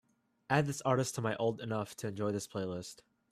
add this artist to my Old Enough To Enjoy This playlist